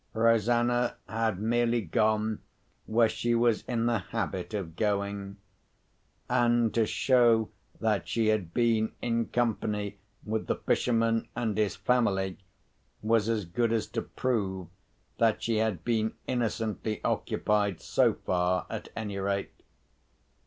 Rosanna had merely gone where she was in the habit of going; and to show that she had been in company with the fisherman and his family was as good as to prove that she had been innocently occupied so far, at any rate.